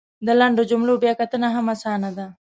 د لنډو جملو بیا کتنه هم اسانه ده !